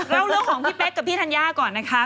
เล่าเรื่องของพี่เป๊กกับพี่ธัญญาก่อนนะคะ